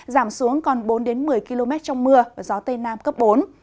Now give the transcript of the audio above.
giảm xuống còn bốn một mươi km trong mưa gió tây nam cấp bốn